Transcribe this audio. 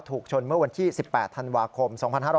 ถูกชนเมื่อวันที่๑๘ธันวาคม๒๕๕๙